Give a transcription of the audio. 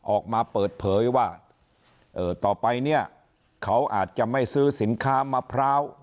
ออกมาเปิดเผยว่าต่อไปเนี่ยเขาอาจจะไม่ซื้อสินค้ามะพร้าว